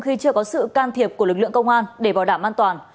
khi chưa có sự can thiệp của lực lượng công an để bảo đảm an toàn